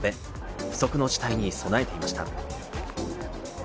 不測の事態に備えていました。